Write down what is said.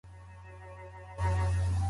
هغوی چې پوهه لري غوره پرېکړې کوي.